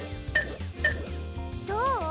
どう？